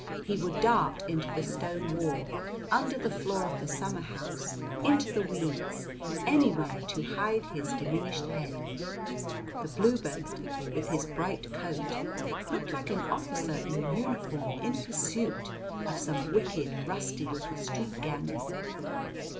He would dart into the stone wall, under the floor of the summer house, into the weeds, anywhere to hide his diminished head. The bluebird, with his bright coat, looked like an officer in uniform in pursuit of some wicked, rusty little street gamin.